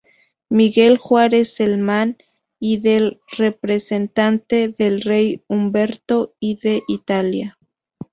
Miguel Juárez Celman, y del representante del Rey Umberto I de Italia.